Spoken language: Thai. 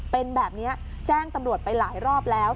เป็นแบบนี้แจ้งตำรวจไปหลายรอบแล้ว